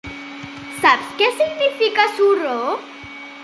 Saps què significa suro?